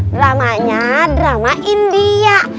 dramanya drama india